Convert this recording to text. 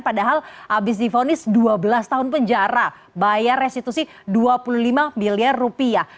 padahal habis difonis dua belas tahun penjara bayar restitusi dua puluh lima miliar rupiah